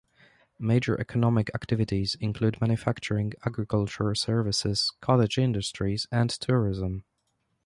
Major economic activities include manufacturing, agriculture, services, cottage industries and tourism.